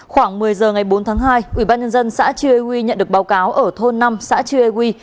khoảng một mươi h ngày bốn tháng hai ubnd xã chia huy nhận được báo cáo ở thôn năm xã chia huy